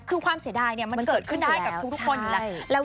คือความเสียดายมันเกิดขึ้นได้กับทุกคนอยู่แล้ว